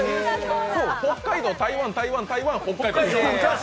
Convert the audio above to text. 北海道、台湾、台湾、台湾、北海道。